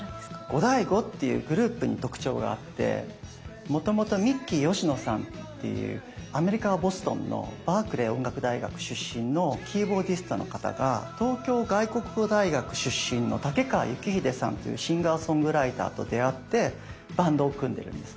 ゴダイゴっていうグループに特徴があってもともとミッキー吉野さんっていうアメリカのボストンのバークリー音楽大学出身のキーボーディストの方が東京外国語大学出身のタケカワユキヒデさんというシンガーソングライターと出会ってバンドを組んでるんですね。